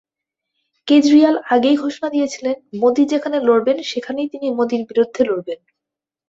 কেজরিয়াল আগেই ঘোষণা দিয়েছিলেন মোদি যেখানে লড়বেন সেখানেই তিনি মোদির বিরুদ্ধে লড়বেন।